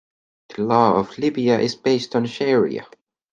The law of Libya is based on sharia.